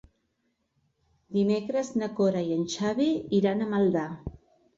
Dimecres na Cora i en Xavi iran a Maldà.